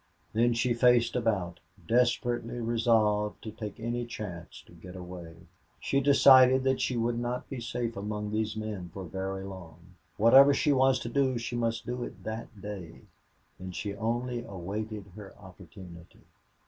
Then she faced about, desperately resolved to take any chance to get away. She decided that she would not be safe among these men for very long. Whatever she was to do she must do that day, and she only awaited her opportunity.